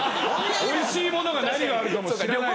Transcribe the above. おいしいものが何があるか知らないし。